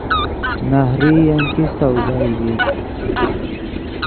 نہریئی ام کیستہ اوزائی ڤییت